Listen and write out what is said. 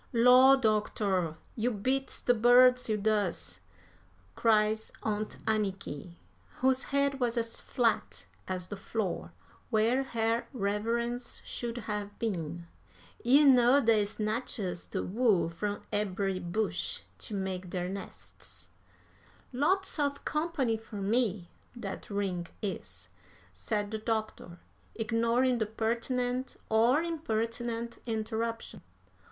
"Law, doctor! you beats de birds, you does," cries Aunt Anniky, whose head was as flat as the floor, where her reverence should have been. "You know dey snatches de wool from ebery bush to make deir nests." "Lots of company for me, that ring is," said the doctor, ignoring the pertinent or impertinent interruption.